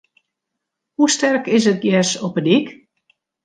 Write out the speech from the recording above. Hoe sterk is it gers op de dyk?